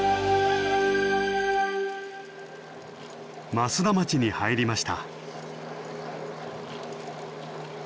増田町に入りました。